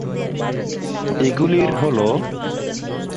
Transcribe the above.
এগুলির হল,